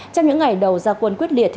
trong những ngày đầu gia quân quyết liệt